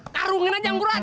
karungin aja angguran